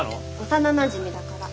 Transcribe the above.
幼なじみだから。